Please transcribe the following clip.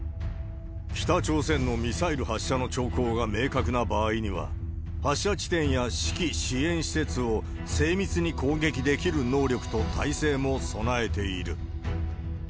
北朝鮮のミサイル発射の兆候が明確な場合には、発射地点や指揮、支援施設を精密に攻撃できる能力と体制も備えている。